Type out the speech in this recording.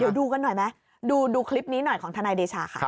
เดี๋ยวดูกันหน่อยไหมดูคลิปนี้หน่อยของทนายเดชาค่ะ